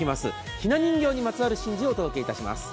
ひな人形にまつわる神事をお届けします。